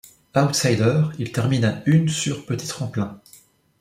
Outsider, il termine à une sur petit tremplin.